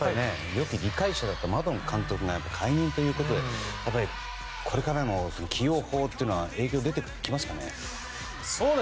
よき理解者だったマドン監督が解任ということでこれからの起用法というのは影響、出てきますかね？